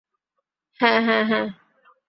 হ্যাঁ, হ্যাঁ, হ্যাঁ!